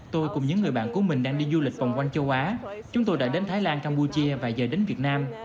tôi cùng những người bạn của mình đang đi du lịch vòng quanh châu á chúng tôi đã đến thái lan campuchia và giờ đến việt nam